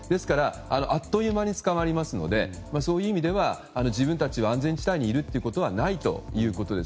あっという間につかまりますので自分たちは安全地帯にいるということはないということです。